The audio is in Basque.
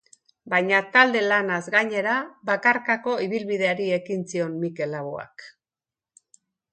Baina talde lanaz gainera, bakarkako ibilbideari ekin zion Mikel Laboak